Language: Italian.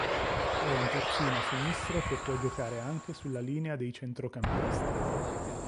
È un terzino sinistro che può giocare anche sulla linea dei centrocampista.